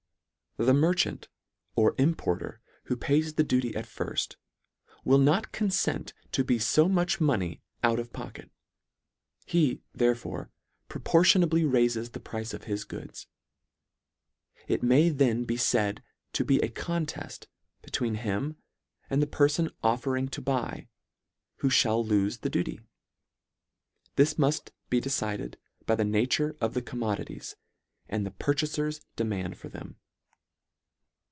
The merchant, or importer who pays the duty at firft, will not confent to be Co much money out of pocket. He, therefore, pro portionably raifes the price of his goods. It may then be faid to be a conteft between him and the perfon offering to buy, who (hall lofe the duty. This rauft be decided by the nature of the commodities and the purchafers demand for them.